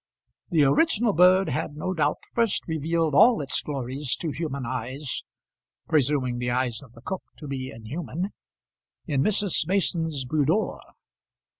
The original bird had no doubt first revealed all its glories to human eyes, presuming the eyes of the cook to be inhuman in Mrs. Mason's "boodoor."